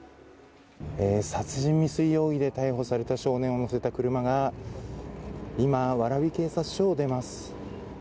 殺人未遂容疑で逮捕された少年を乗せた車が今、蕨警察署を出ます。